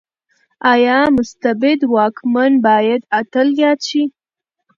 ايا مستبد واکمن بايد اتل ياد شي؟